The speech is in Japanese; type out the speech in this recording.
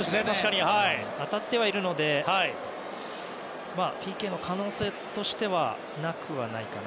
当たってはいるのでＰＫも可能性としてはなくはないかな。